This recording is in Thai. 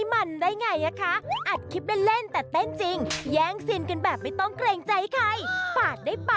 วันละก่อนนอนฉันอาหอดอาหลังใน